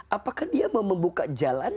apakah dia mau membuka jalan